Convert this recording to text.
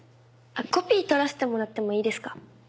コピー取らせてもらってもいいですか？